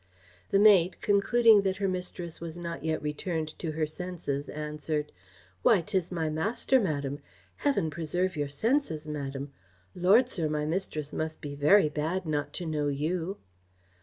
The maid, concluding that her mistress was not yet returned to her senses, answered, "Why, 'tis my master, madam. Heaven preserve your senses, madam! Lord, sir, my mistress must be very bad not to know you!"